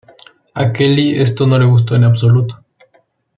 A Kelly esto no le gustó en absoluto.